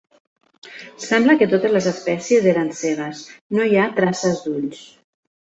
Sembla que totes les espècies eren cegues, no hi ha traces d'ulls.